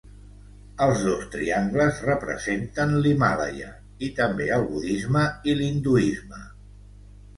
Els dos triangles representen l'Himàlaia i també el budisme i l'hinduisme.